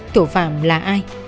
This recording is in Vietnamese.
thủ phạm là ai